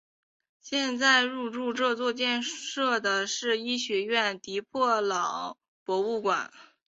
现在入驻这座建筑的是医学院的迪皮特朗博物馆。